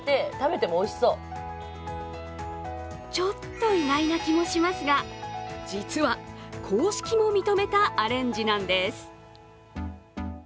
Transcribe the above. ちょっと意外な気もしますが、実は公式も認めたアレンジなんです。